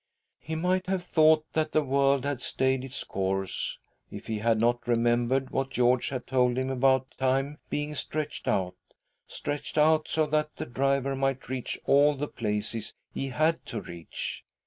He might have thought that the world had stayed its course if he had not remembered what George had told him about time being stretched out— stretched out so that the driver might reach all the places he had to reach.